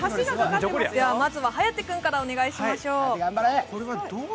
まずは颯君からお願いしましょう。